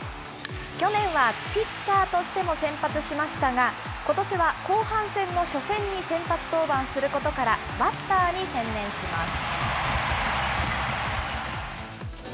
去年はピッチャーとしても先発しましたが、ことしは後半戦の初戦に先発登板することから、バッターに専念します。